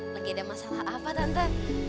lagi ada masalah apa tante